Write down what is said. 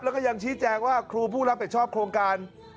แล้วก็ยังชี้แจงว่าครูผู้รับผิดชอบโครงการ